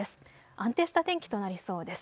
安定した天気となりそうです。